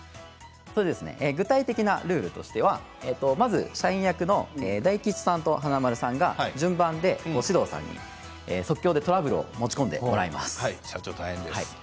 具体的なルールとしては社員役の大吉さんと華丸さんが順番で獅童さんに即興でトラブルを持ち込んでもらいます。